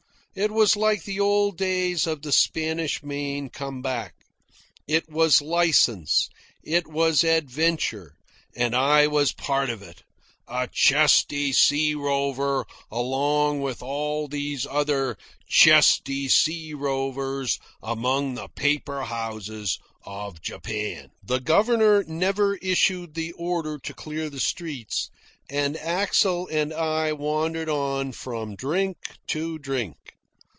It was like the old days of the Spanish Main come back. It was license; it was adventure. And I was part of it, a chesty sea rover along with all these other chesty sea rovers among the paper houses of Japan. The governor never issued the order to clear the streets, and Axel and I wandered on from drink to drink.